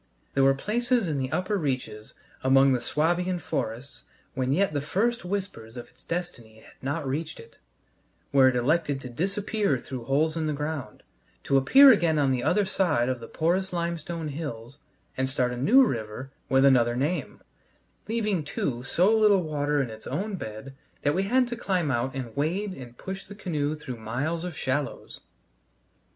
There were places in the upper reaches among the Swabian forests, when yet the first whispers of its destiny had not reached it, where it elected to disappear through holes in the ground, to appear again on the other side of the porous limestone hills and start a new river with another name; leaving, too, so little water in its own bed that we had to climb out and wade and push the canoe through miles of shallows!